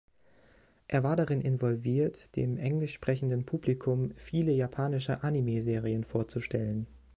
Er war darin involviert, dem englischsprechenden Publikum viele japanische Anime-Serien vorzustellen.